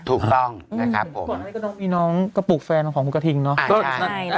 ถูกต้องนะครับผมก่อนมีน้องกระปุกแฟนของคุณกระทิงเนาะ